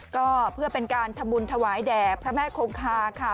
ก็เพื่อเป็นการทำบุญถวายแด่พระแม่คงคาค่ะ